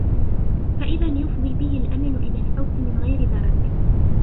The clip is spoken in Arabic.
فَإِذًا يُفْضِي بِهِ الْأَمَلُ إلَى الْفَوْتِ مِنْ غَيْرِ دَرَكٍ